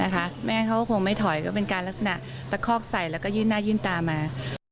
แม่เขาก็คงไม่ถอยก็เป็นการลักษณะตะคอกใส่แล้วก็ยื่นหน้ายื่นตามา